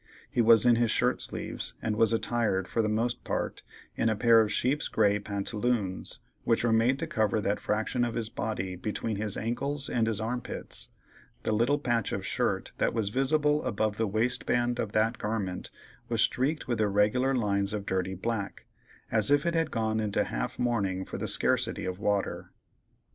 He was in his shirt sleeves, and was attired, for the most part, in a pair of sheep's grey pantaloons, which were made to cover that fraction of his body between his ankles and his armpits; the little patch of shirt that was visible above the waistband of that garment, was streaked with irregular lines of dirty black, as if it had gone into half mourning for the scarcity of water.